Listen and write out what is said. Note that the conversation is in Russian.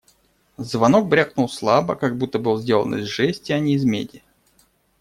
Звонок брякнул слабо, как будто был сделан из жести, а не из меди.